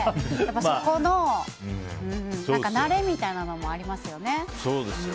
そこの慣れみたいなものもありますよね。